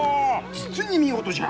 実に見事じゃ！